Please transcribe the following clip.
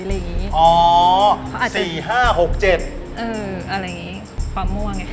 อะไรอย่างงี้ความม่วงไง